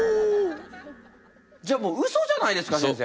じゃあもうウソじゃないですか先生。